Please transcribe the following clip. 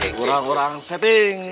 wah kurang kurang setting